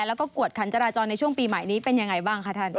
แล้วก็กวดขันจราจรในช่วงปีใหม่นี้เป็นยังไงบ้างคะท่าน